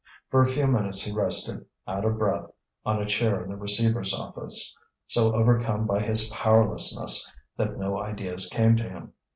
For a few minutes he rested, out of breath, on a chair in the receiver's office, so overcome by his powerlessness that no ideas came to him.